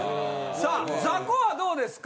さあザコはどうですか？